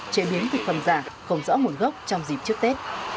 chế biến thực phẩm giả không rõ nguồn gốc trong dịp trước tết